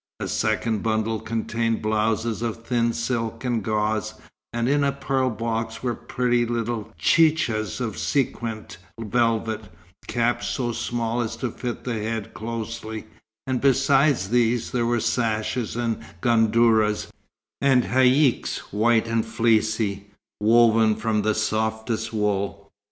A second bundle contained blouses of thin silk and gauze, and in a pearl box were pretty little chechias of sequined velvet, caps so small as to fit the head closely; and besides these, there were sashes and gandourahs, and haïcks white and fleecy, woven from the softest wool.